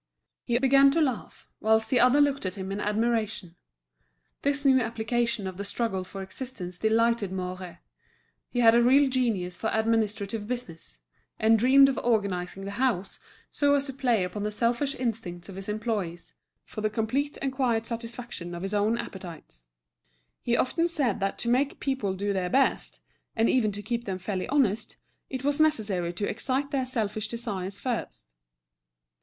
He began to laugh, whilst the other looked at him in admiration. This new application of the struggle for existence delighted Mouret; he had a real genius for administrative business, and dreamed of organising the house, so as to play upon the selfish instincts of his employees, for the complete and quiet satisfaction of his own appetites. He often said that to make people do their best, and even to keep them fairly honest, it was necessary to excite their selfish desires first.